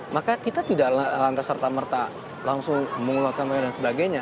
maka kita tidak langka serta merta langsung mengulangkan dan sebagainya